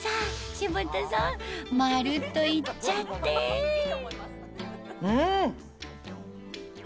柴田さんまるっといっちゃってうん！